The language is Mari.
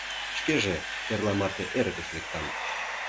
Шкеже эрла марте эрыкыш лектам.